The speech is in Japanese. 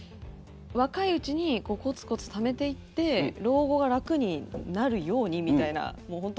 若いうちにコツコツためていって老後が楽になるようにみたいなもう本当